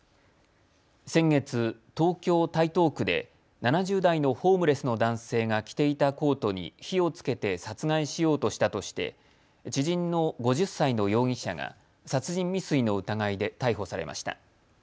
先月、東京台東区で７０代のホームレスの男性が着ていたコートに火をつけて殺害しようとしたとして知人の５０歳の容疑者が殺人未遂の疑いで逮捕されました。